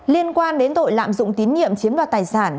liên quan đến tội lạm dụng tín nhiệm chiếm đoạt tài sản